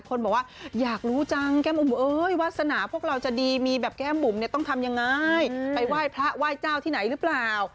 คนบอกว่าอยากรู้จังแก้มบุ๋มเอ้ยวาสนาพวกเราจะดีมีแบบแก้มบุ๋มเนี่ยต้องทำยังไงไปไหว้พระไหว้เจ้าที่ไหนหรือเปล่า